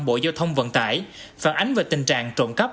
phản ánh về tình trạng trộm cắp